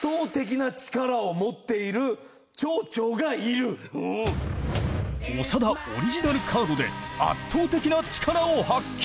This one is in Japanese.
まずは長田オリジナルカードで圧倒的な力を発揮！